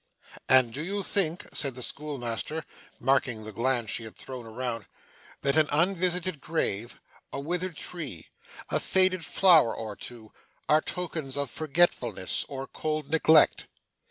'And do you think,' said the schoolmaster, marking the glance she had thrown around, 'that an unvisited grave, a withered tree, a faded flower or two, are tokens of forgetfulness or cold neglect?